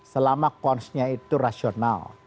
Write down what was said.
selama consnya itu rasional